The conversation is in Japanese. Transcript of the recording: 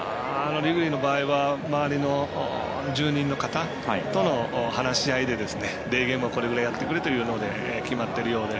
リグレーの場合は周りの住人の方との話し合いでデーゲームをこれぐらいやってくれと決まってるようで。